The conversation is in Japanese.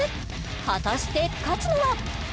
果たして勝つのは？